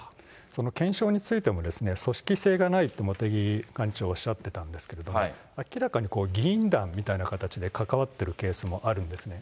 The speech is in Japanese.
その検証についてもですね、組織性がないと、茂木幹事長おっしゃっていたんですけれども、明らかに議員団みたいな形で関わってるケースもあるんですね。